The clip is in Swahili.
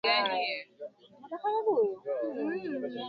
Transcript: Uki penda kuni kwaza gusa mashamba ya muloko yangu